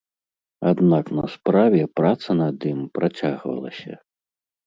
Аднак на справе праца над ім працягвалася.